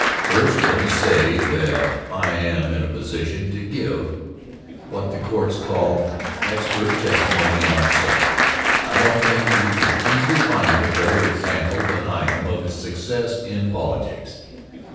First, let me say that I am in a position to give what the courts call expert testimony on the subject. I don't think you can easily find a better example than I am of success in politics.